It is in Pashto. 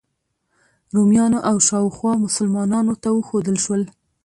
رومیانو او شاوخوا مسلمانانو ته وښودل شول.